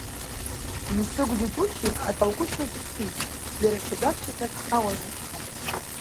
Мсыгәдеи Тучеи атолкучкахь ицеит џьара шьаҵак, шьаҵак ҳауазарҳәа.